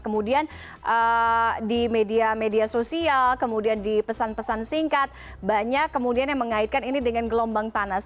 kemudian di media media sosial kemudian di pesan pesan singkat banyak kemudian yang mengaitkan ini dengan gelombang panas